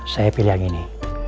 saya pilih yang ini